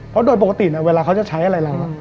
เพราะโดยปกติเวลาเขาจะใช้อะไรเรา